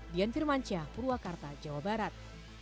dian firmansyah purwakarta jawa barat